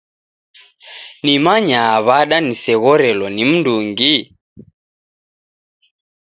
Nimanyaa w'ada niseghorelo ni mndungi?